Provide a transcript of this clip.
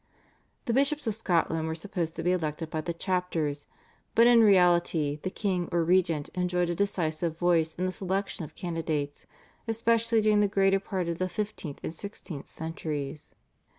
The bishops of Scotland were supposed to be elected by the chapters, but in reality the king or regent enjoyed a decisive voice in the selection of candidates especially during the greater part of the fifteenth and sixteenth centuries.